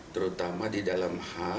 terutama di dalam